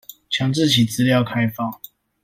強制其資料開放